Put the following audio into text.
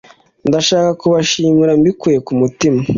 Ndashaka kubashimira mbikuye ku mutima